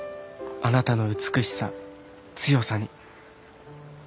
「あなたの美しさ強さに」